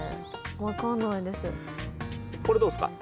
これどうっすか？